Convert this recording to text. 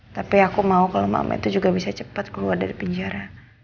tapi aku mau kalau mama itu juga bisa cepat keluar dari penjara